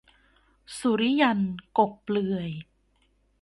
สุริยันต์ กกเปลือย